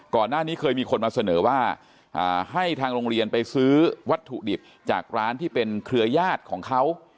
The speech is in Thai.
ก่อนหน้านี้เคยมีคนมาเสนอว่าให้ทางโรงเรียนไปซื้อวัตถุดิบจากร้านที่เป็นเครือญาติของเขา